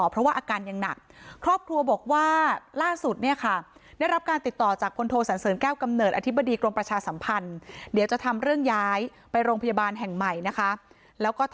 เพราะว่าอาการยังหนัก